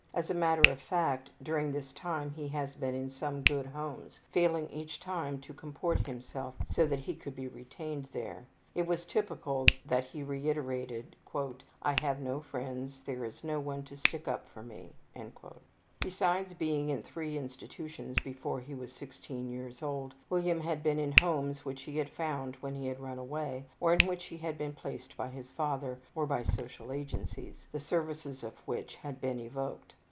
As a matter of fact, during this time he has been in some good homes, failing each time to comport himself so that he could be retained there. It was typical that he reiterated, ``I have no friends; there is no one to stick up for me.'' Besides being in three institutions before he was 16 years old, William had been in homes which he had found when he had run away, or in which he had been placed by his father or by social agencies, the services of which had been evoked.